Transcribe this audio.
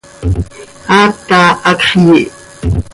Aata, hacx yiih.